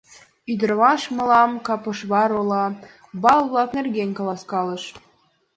Ӱдырамаш мылам Капошвар ола, бал-влак нерген каласкалыш.